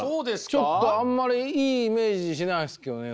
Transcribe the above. ちょっとあんまりいいイメージしないっすけどね。